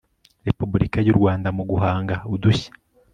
repubulika yurwanda mu guhanga udushya